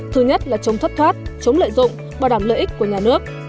thứ nhất là chống thất thoát chống lợi dụng bảo đảm lợi ích của nhà nước